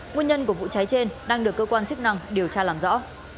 nguyên nhân của vụ cháy trên đang được cơ quan chức năng điều tra làm rõ